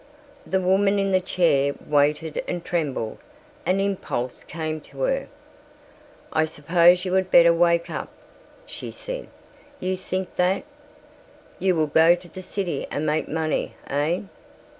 The woman in the chair waited and trembled. An impulse came to her. "I suppose you had better wake up," she said. "You think that? You will go to the city and make money, eh?